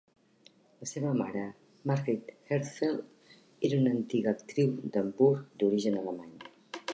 La seva mare, Margit Herzfeld, era una antiga actriu d'Hamburg d'origen alemany.